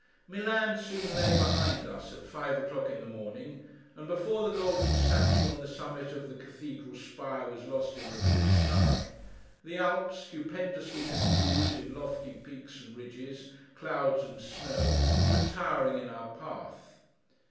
Milan soon lay behind us, at five o'clock in the morning; and before the golden statue on the summit of the cathedral spire was lost in the blue sky, the Alps, stupendously confused in lofty peaks and ridges, clouds and snow, were towering in our path.